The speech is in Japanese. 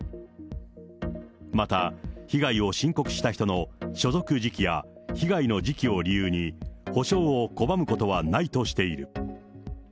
また、被害を申告した人の所属時期や被害の時期を理由に、補償を拒むことはないとしている。